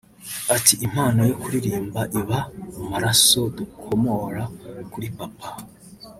Ati “Impano yo kuririmba iba mu maraso dukomora kuri papa